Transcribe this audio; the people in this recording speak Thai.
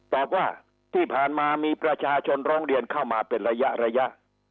ตอบว่าที่ผ่านมามีประชาชนร้องเรียนเข้ามาเป็นระยะ